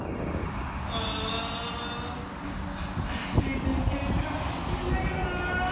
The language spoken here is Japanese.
うん新しいペンケースがほしいんだけどなあ。